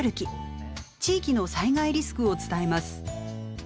地域の災害リスクを伝えます。